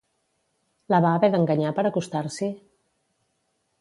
La va haver d'enganyar per acostar-s'hi?